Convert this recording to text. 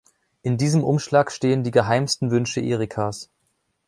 In diesem Umschlag stehen die geheimsten Wünsche Erikas.